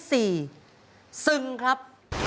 ซึงครับ